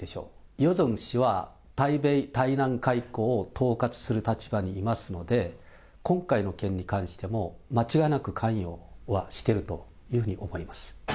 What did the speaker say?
ヨジョン氏は、対米、対南外交を統括する立場にいますので、今回の件に関しても、間違いなく関与はしてるというふうに思います。